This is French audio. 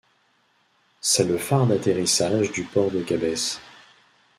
C'est le phare d'atterrissage du port de Gabès.